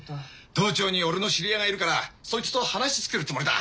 道庁に俺の知り合いがいるからそいつと話つけるつもりだ。